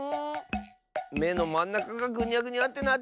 めのまんなかがぐにゃぐにゃってなってる！